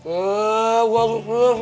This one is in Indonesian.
eh gua harus jelasin